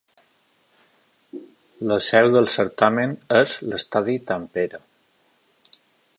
La seu del certamen és l'Estadi Tampere.